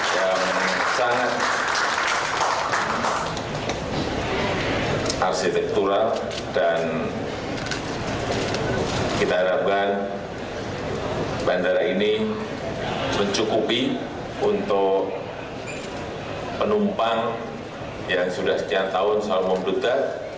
yang sangat arsitektural dan kita harapkan bandara ini mencukupi untuk penumpang yang sudah setiap tahun selalu membukta